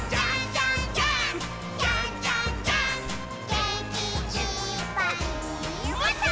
「げんきいっぱいもっと」